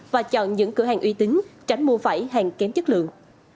và chọn những cửa hàng uy tín tránh mua phải hàng kém chất lượng